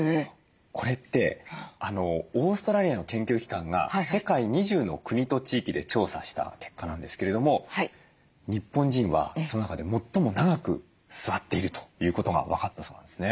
これってオーストラリアの研究機関が世界２０の国と地域で調査した結果なんですけれども日本人はその中で最も長く座っているということが分かったそうなんですね。